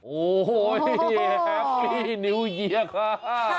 โอ๋แฮปปี้นิ่วเยียอข้า